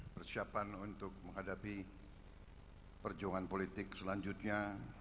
persiapan untuk menghadapi perjuangan politik selanjutnya